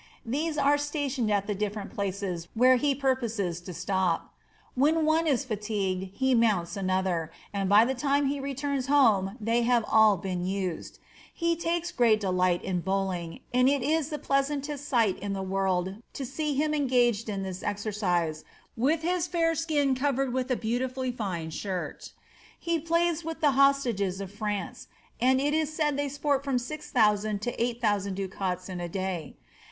These are stationed at the difierent places where he purposes to stop. When one is fatigued he mounts another, and by the time he returns home they have all been used. He takes great delight in bowling, and it is the pleasantest sjght in the world to see him engaged in tliis exercise, with his fair skin covered with a beau KATHARINB OF ARRAGON. 91 fine ahirt He plays with the hostages of France, aad it is said port from 6000 to 8000 ducats in a &y.